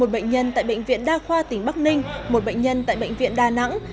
một bệnh nhân tại bệnh viện đa khoa tỉnh bắc ninh một bệnh nhân tại bệnh viện đà nẵng